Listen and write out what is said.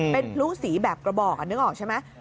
เป็นพลุสีแบบกระบอกนึกออกใช่ไหม